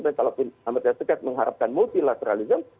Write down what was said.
dan kalaupun amerika serikat mengharapkan multilateralism